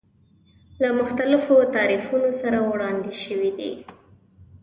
له مختلفو تعریفونو سره وړاندې شوی دی.